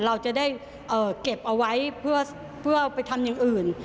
เราจะได้เก็บเอาไว้เพื่อไปทำอย่างอื่น